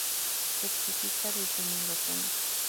Fructifica desde en el otoño.